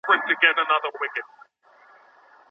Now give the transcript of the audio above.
که ته غواړې میوزیک اضافه کړي نو غږ یې لږ کړه.